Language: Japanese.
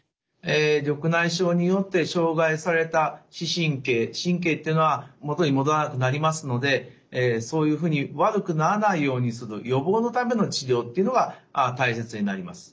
緑内障によって障害された視神経神経というのは元に戻らなくなりますのでそういうふうに悪くならないようにする予防のための治療というのが大切になります。